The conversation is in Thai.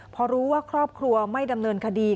พอรู้ว่าครอบครัวไม่ดำเนินคดี